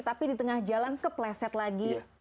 tapi di tengah jalan kepleset lagi